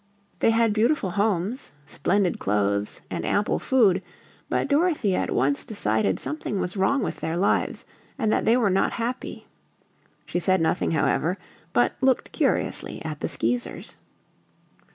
They had beautiful homes, splendid clothes, and ample food, but Dorothy at once decided something was wrong with their lives and that they were not happy. She said nothing, however, but looked curiously at the Skeezers.